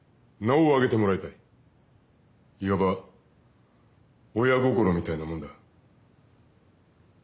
いわば親心みたいなもんだ。